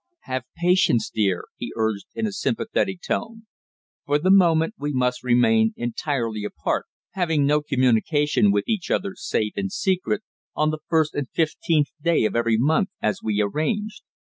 "Have patience, dear," he urged in a sympathetic tone. "For the moment we must remain entirely apart, holding no communication with each other save in secret, on the first and fifteenth day of every month as we arranged.